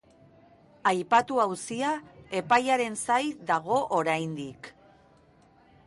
Aipatu auzia epaiaren zain dago oraindik.